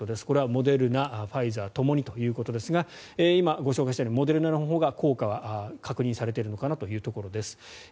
これはモデルナ、ファイザーともにということですが今ご紹介したようにモデルナのほうが効果は確認されているのかなというところです。